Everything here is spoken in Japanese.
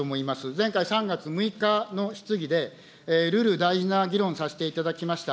前回、３月６日の質疑で、るる大事な議論をさせていただきました。